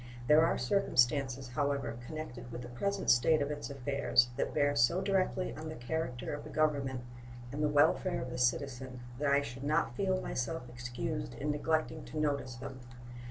There are circumstances, however, connected with the present state of its affairs that bear so directly on the character of the Government and the welfare of the citizen that I should not feel myself excused in neglecting to notice them.